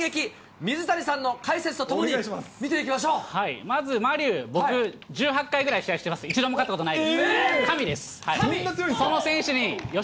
水谷さんの解説とともに見ていきまず馬龍、僕、１８回ぐらい、試合してます、一度も勝ったことないです。